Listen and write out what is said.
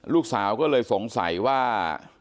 ลูกสาวก็เลยสงสัยว่า